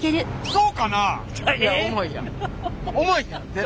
そうかなあ？